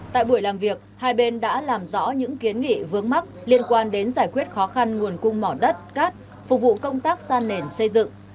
tại buổi làm việc hai bên đã làm rõ những kiến nghị vướng mắc liên quan đến giải quyết khó khăn nguồn cung mỏ đất cát phục vụ công tác sa nền xây dựng